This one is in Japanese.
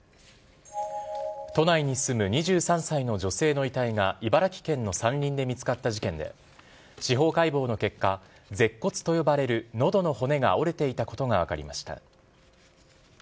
都内に住む２３歳の女性の遺体が茨城県の山林で見つかった事件で、司法解剖の結果、舌骨と呼ばれるのどの骨が折れていたことが分かりました。